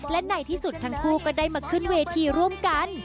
และในที่สุดทั้งคู่ก็ได้มาขึ้นเวทีร่วมกัน